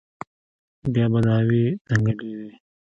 بيا به دعوې دنگلې وې.